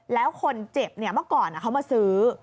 แล้วคนเจ็บเมื่อก่อนเขามาซื้อ